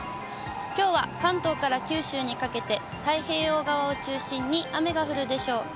きょうは関東から九州にかけて、太平洋側を中心に雨が降るでしょう。